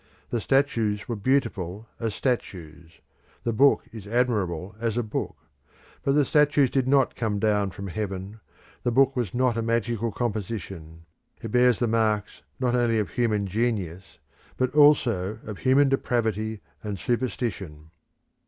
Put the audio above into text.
The statues were beautiful as statues; the book is admirable as a book; but the statues did not come down from heaven; the book was not a magical composition; it bears the marks not only of human genius, but also of human depravity and superstition.